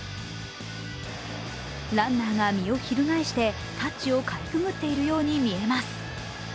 ランナーが身を翻して、タッチをかいくぐっているように見えます。